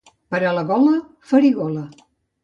Per a la gola, farigola.